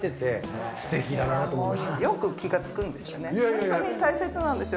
本当に大切なんですよ。